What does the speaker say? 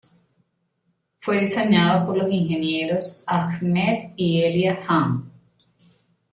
Fue diseñado por los ingenieros Ahmed y Elia Ham.